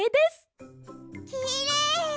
きれい！